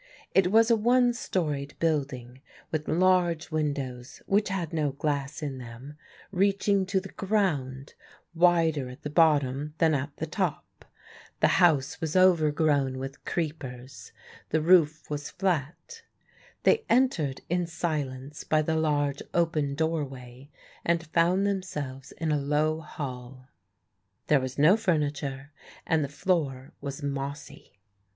It was a one storeyed building, with large windows (which had no glass in them) reaching to the ground, wider at the bottom than at the top. The house was overgrown with creepers; the roof was flat. They entered in silence by the large open doorway and found themselves in a low hall. There was no furniture and the floor was mossy.